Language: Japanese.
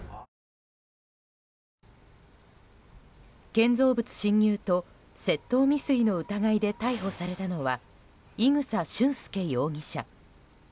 建造物侵入と窃盗未遂の疑いで逮捕されたのは伊草俊輔容疑者。